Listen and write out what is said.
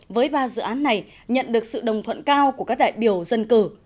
với ba dự án này nhận được sự đồng thuận cao của các đại biểu dân cử